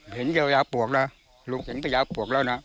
เห็นเจ้ายาปวกแล้วลุงเห็นเจ้ายาปวกแล้วนะ